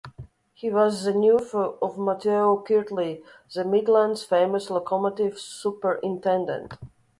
He was the nephew of Matthew Kirtley, the Midland's famous locomotive superintendent.